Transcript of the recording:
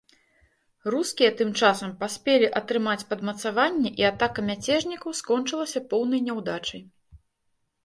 Рускія тым часам паспелі атрымаць падмацаванне, і атака мяцежнікаў скончылася поўнай няўдачай.